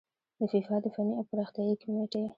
د فیفا د فني او پراختیايي کميټې